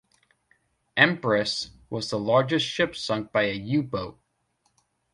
"Empress" was the largest ship sunk by a U-boat.